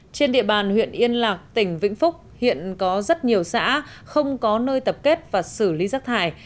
trên địa bàn huyện yên lạc tỉnh vĩnh phúc hiện có rất nhiều xã không có nơi tập kết và xử lý rác thải